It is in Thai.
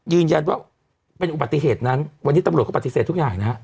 ยืนยันว่าเป็นอุบัติเหตุนั้นวันนี้ตำรวจเขาปฏิเสธทุกอย่างนะฮะ